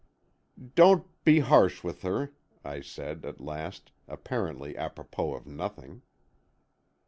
"Don't be harsh with her," I said, at last, apparently apropos of nothing.